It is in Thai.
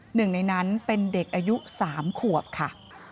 หนึ่งในนั้นเป็นเด็กอายุ๓ขวบค่ะ